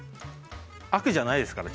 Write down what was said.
悪じゃないですから。